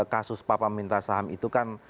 kasus papa minta saham itu kan